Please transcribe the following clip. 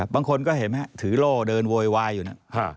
บางคนก็เห็นไหมฮะถือโล่เดินโวยวายอยู่นั่น